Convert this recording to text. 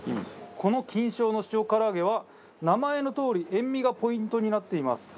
この金賞の塩唐揚げは名前のとおり塩味がポイントになっています。